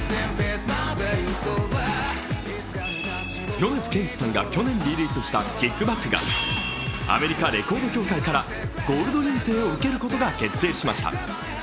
米津玄師さんが去年リリースした「ＫＩＣＫＢＡＣＫ」がアメリカレコード協会からゴールド認定を受けることが決定しました。